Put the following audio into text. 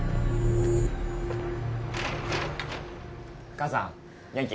母さん元気？